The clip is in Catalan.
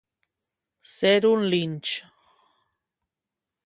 Ser un linx.